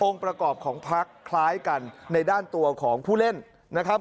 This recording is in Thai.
ประกอบของพักคล้ายกันในด้านตัวของผู้เล่นนะครับ